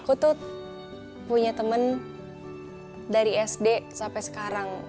aku tuh punya teman dari sd sampai sekarang